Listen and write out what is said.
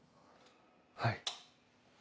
はい。